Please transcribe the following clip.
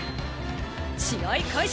試合開始！